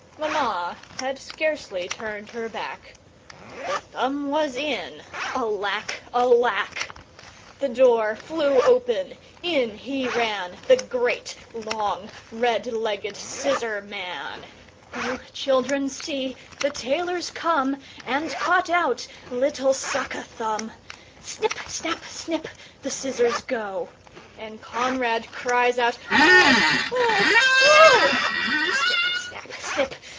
Mamma had scarcely turned her back, The thumb was in, Alack! Alack! The door flew open, in he ran, The great, long, red legged scissor man. Oh! children, see! the tailor's come And caught out little Suck a Thumb. Snip! Snap! Snip! the scissors go; And Conrad cries out "Oh! Oh! Oh!" Snip! Snap! Snip!